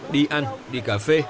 đi ăn đi cà phê